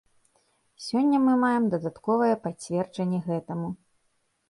Сёння мы маем дадатковае пацверджанне гэтаму.